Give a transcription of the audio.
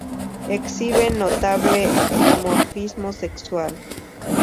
Exhiben notable dimorfismo sexual.